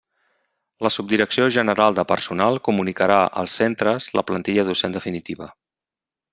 La Subdirecció General de Personal comunicarà als centres la plantilla docent definitiva.